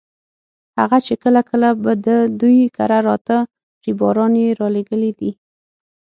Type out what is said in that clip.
هغه چې کله کله به د دوی کره راته ريباران یې رالېږلي دي.